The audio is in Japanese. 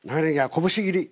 こぶし切り。